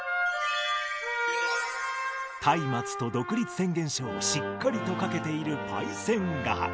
たいまつと独立宣言書をしっかりとかけているパイセンがはく。